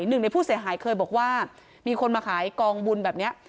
หนึ่งในผู้เสียหายเคยบอกว่ามีคนมาขายกองบุญแบบนี้